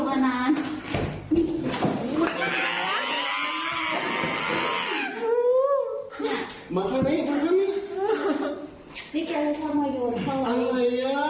อันนี้มันคือมีอัตภัณฑ์ต้นไม้